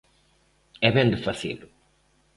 E vén de facelo.